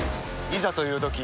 いざというとき